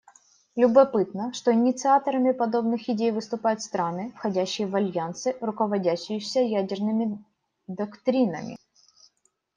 Любопытно, что инициаторами подобных идей выступают страны, входящие в альянсы, руководствующиеся ядерными доктринами.